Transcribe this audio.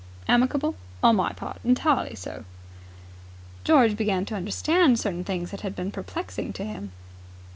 "Amicable?" "On my part, entirely so." George began to understand certain things that had been perplexing to him.